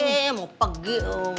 iya mau pergi